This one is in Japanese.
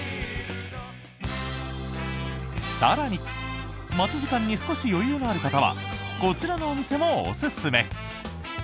更に待ち時間に少し余裕のある方はこちらのお店もおすすめ。